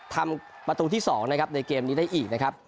ทำประตูที่๒นะครับในเกมนี้ได้อีกนะครับ